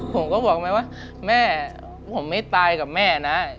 ผมก็บอกแม่ว่าแม่ผมไม่ตายกับแม่นะ